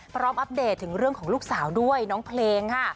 อัปเดตถึงเรื่องของลูกสาวด้วยน้องเพลงค่ะ